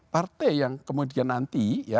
partai yang kemudian nanti